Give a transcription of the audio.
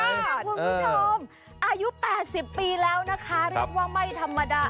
คุณผู้ชมอายุ๘๐ปีแล้วนะคะเรียกว่าไม่ธรรมดา